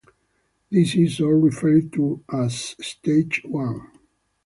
This is all referred to as Stage one.